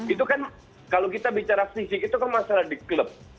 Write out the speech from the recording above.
itu kan kalau kita bicara fisik itu kan masalah di klub